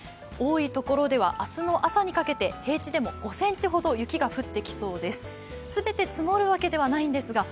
多い所では明日の朝にかけて、平地でも５ｃｍほど雪が降ってきそうです